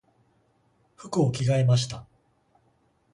服を着替えました。